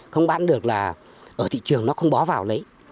không bán được là ở thị trường nó không bó vào lấy